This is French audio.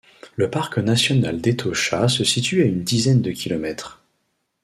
Le parc national d'Etosha se situe à une dizaine de kilomètres.